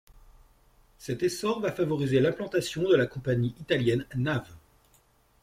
Cet essor va favoriser l'implantation de la compagnie italienne Nav.